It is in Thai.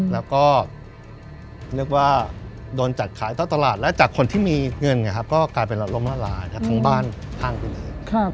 เราก็ว่าโดนจัดขายต้นตลาดและจากคนที่มีเงินกลายเป็นเรื่องร้ำละลายทางบ้านต่างไปเลย